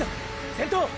先頭！